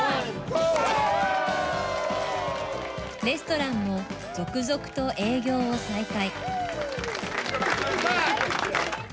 レストランも続々と営業を再開。